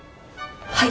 はい。